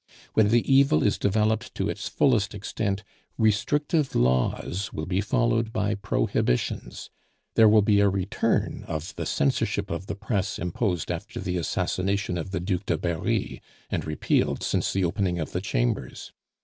When the evil is developed to its fullest extent, restrictive laws will be followed by prohibitions; there will be a return of the censorship of the press imposed after the assassination of the Duc de Berri, and repealed since the opening of the Chambers.